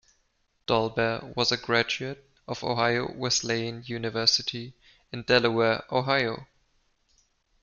Dolbear was a graduate of Ohio Wesleyan University, in Delaware, Ohio.